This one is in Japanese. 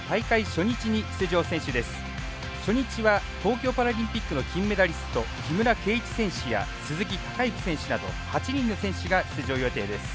初日は東京パラリンピックの金メダリスト木村敬一選手や鈴木孝幸選手など８人の選手が出場予定です。